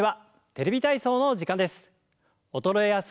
「テレビ体操」の時間です。